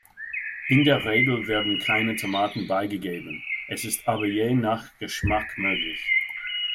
In der Regel werden keine Tomaten beigegeben, es ist aber je nach Geschmack möglich.